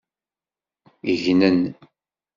Gnen.